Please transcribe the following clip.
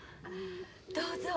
どうぞ。